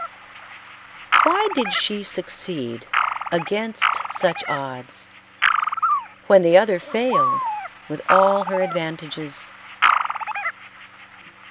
Why did she succeed against such odds, when the other failed with all her advantages?